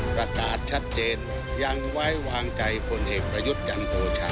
ประกาศชัดเจนยังไว้วางใจผลเอกประยุทธ์จันทร์โอชา